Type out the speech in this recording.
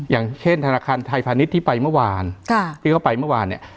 อย่างเช่นธนาคารไทยพาณิชย์ที่ไปเมื่อวานที่เขาไปเมื่อวานเนี่ย